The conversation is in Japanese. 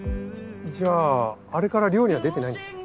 じゃああれから漁には出てないんですね。